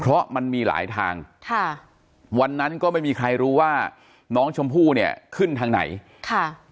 เพราะมันมีหลายทางค่ะวันนั้นก็ไม่มีใครรู้ว่าน้องชมพู่เนี่ยขึ้นทางไหนค่ะ